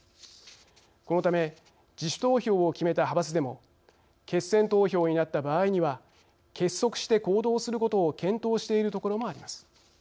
このため自主投票を決めた派閥でも決選投票になった場合には結束して行動することを検討しているところもあります。